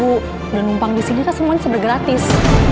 udah numpang disini kan semuanya seber gratis